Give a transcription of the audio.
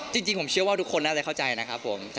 จริงผมเชื่อว่าทุกคนน่าจะเข้าใจนะครับผม